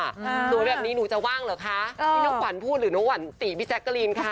สวยแบบนี้หนูจะว่างเหรอคะที่น้องขวัญพูดหรือน้องหวันตีพี่แจ๊กกะลีนค่ะ